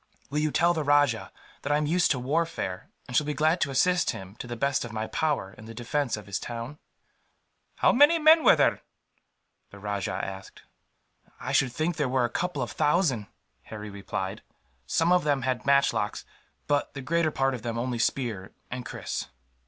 "Will you tell the rajah that I am used to warfare, and shall be glad to assist him, to the best of my power, in the defence of his town?" "How many men were there?" the rajah asked. "I should think there were a couple of thousand," Harry replied. "Some of them had matchlocks, but the greater part of them only spear and kris."